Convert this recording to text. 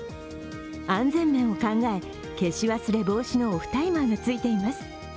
安全面を考え、消し忘れ防止のオフタイマーがついています。